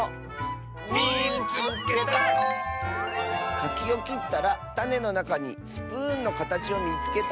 「かきをきったらたねのなかにスプーンのかたちをみつけた！」。